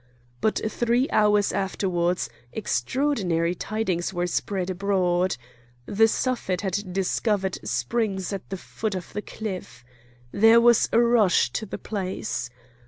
But three hours afterwards extraordinary tidings were spread abroad: the Suffet had discovered springs at the foot of the cliff. There was a rush to the place.